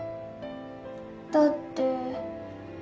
だって。